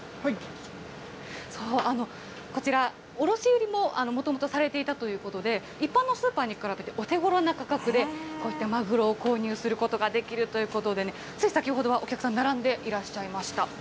こちら、卸売りももともとされていたということで、一般のスーパーに比べてお手頃な価格で、こういったマグロを購入することができるということでね、つい先ほどはお客さん、並んでいらっしゃいました。